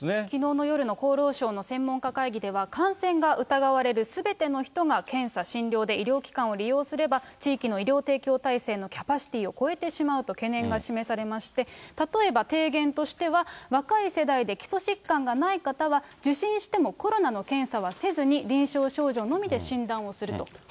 きのうの夜の厚労省の専門家会議では、感染が疑われるすべての人が検査・診療で医療機関を利用すれば、地域の医療提供体制のキャパシティーを超えてしまうと懸念が示されまして、例えば提言としては、若い世代で基礎疾患がない方は、受診してもコロナの検査はせずに臨床症状のみで診断をすると。